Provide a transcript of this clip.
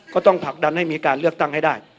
ก็ต้องผลักดันให้มีการเลือกตั้งให้ได้